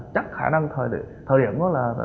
chắc khả năng thời điểm đó là